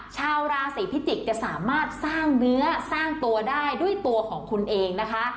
ชาวราศีพิจิกษ์จะสามารถสร้างเนื้อสร้างตัวได้ด้วยตัวของคุณเองนะคะ